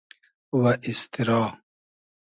و ایستیرا